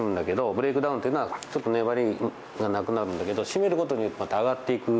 ブレークダウンっていうのはちょっと粘りがなくなるんだけど締めることによってまた上がっていく。